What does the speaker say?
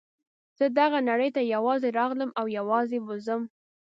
زه دغه نړۍ ته یوازې راغلم او یوازې به ځم.